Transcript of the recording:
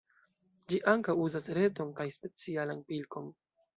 Ĝi ankaŭ uzas reton kaj specialan pilkon.